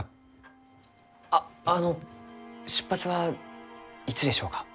ああの出発はいつでしょうか？